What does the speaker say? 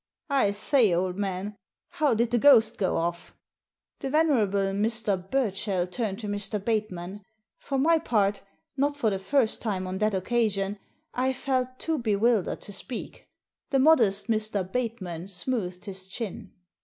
I say, old man, how did the ghost go off? " The venerable Mr. Burchell turned to Mr. Bateman. For my part, not for the first time on that occasion, I felt too bewildered to speak. The modest Mr. Bateman smoothed his chin.